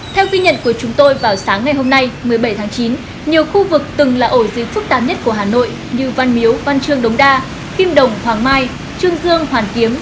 theo ghi nhận của chúng tôi vào sáng ngày hôm nay một mươi bảy tháng chín nhiều khu vực từng là ổ dịch phức tạp nhất của hà nội như văn miếu văn trương đống đa kim đồng hoàng mai trương dương hoàn kiếm